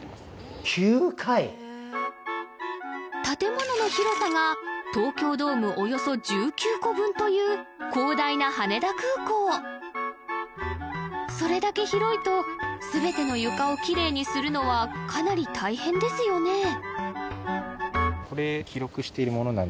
建物の広さが東京ドームおよそ１９個分という広大な羽田空港それだけ広いと全ての床をきれいにするのはかなり大変ですよね